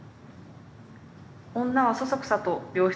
「女はそそくさと病室を出る。